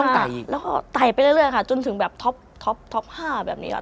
แล้วก็ไตไปเรื่อยค่ะจนถึงแบบท็อค๕แบบนี้ค่ะ